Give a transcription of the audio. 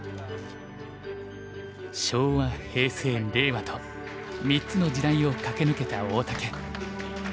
昭和平成令和と３つの時代を駆け抜けた大竹。